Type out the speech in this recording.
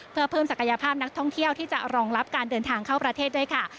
เพื่อเพิ่มศักยภาพนักท่องเที่ยวที่จะรองรับการเดินทางเข้าประเทศด้วยค่ะ